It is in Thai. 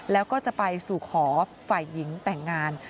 แล้วก็จะไปสู่ขอฝ่ายหญิงแต่งงาน